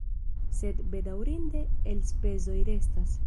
Sed bedaŭrinde elspezoj restas.